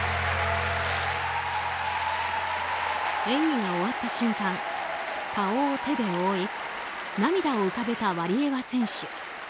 演技が終わった瞬間顔を手で覆い涙を浮かべたワリエワ選手。